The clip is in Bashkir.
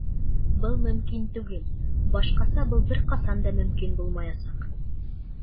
Был мөмкин түгел, Башҡаса был бер ҡасан да мөмкин булмаясаҡ.